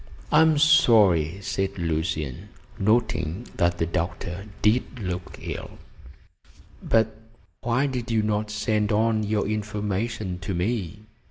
"I am sorry," said Lucian, noting that the doctor did look ill, "but why did you not send on your information to me?"